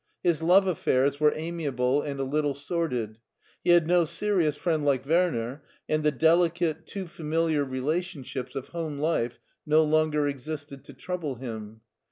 His love affairs were amiable and a little sordid; he had no serious friend like Werner, and the delicate, too familiar relationships of home life no longer existed to trouble him.